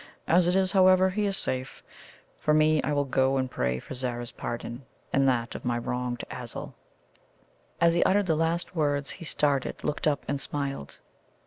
As it is, however, he is safe. For me, I will go and pray for Zara's pardon, and that of my wronged Azul." As he uttered the last words, he started, looked up, and smiled.